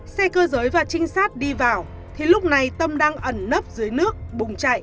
xe cơ giới và trinh sát đi vào thì lúc này tâm đang ẩn nấp dưới nước bùng chạy